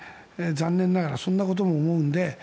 残念ながらそんなことも思うので。